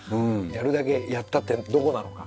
「やるだけやった」ってどこなのか。